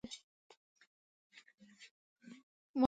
موټر مو باید نه پرلهپسې چټک وچلول شي.